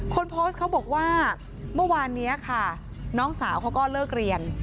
คนโพสต์เขาบอกว่าเมื่อวานนี้ค่ะน้องสาวเขาก็เลิกเรียน